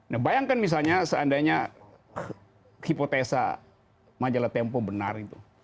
nah bayangkan misalnya seandainya hipotesa majalah tempo benar itu